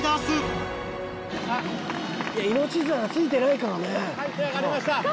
命綱がついてないからね。